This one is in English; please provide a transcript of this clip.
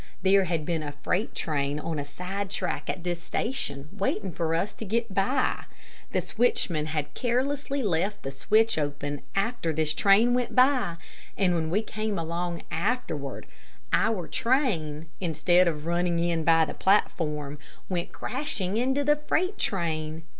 There had been a freight train on a side track at this station, waiting for us to get by. The switchman had carelessly left the switch open after this train went by, and when we came along afterward, our train, instead of running in by the platform, went crashing into the freight train.